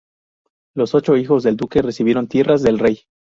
Los ocho hijos del duque recibieron tierras del rey.